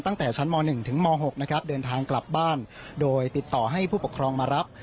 ตั้งแต่ชั้นม๑ถึงม๖นะครับเดินทางกลับบ้านโดยติดต่อให้ผู้ปกครองมารับ